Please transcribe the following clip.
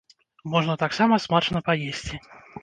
Можна таксама смачна паесці.